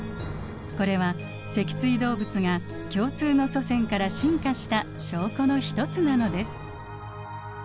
これは脊椎動物が共通の祖先から進化した証拠の一つなのです。